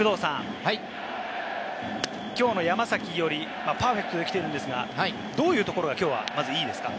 きょうの山崎伊織、パーフェクトで来ているんですが、どういうところが、きょうはまず、いいですか？